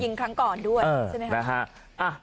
พันธุ์ยิงครั้งก่อนด้วยใช่ไหมครับ